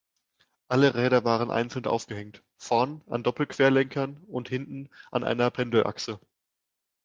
Alle Räder waren einzeln aufgehängt, vorn an Doppelquerlenkern und hinten an einer Pendelachse.